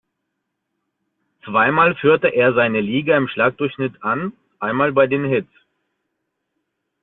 Zweimal führte er seine Liga im Schlagdurchschnitt an, einmal bei den Hits.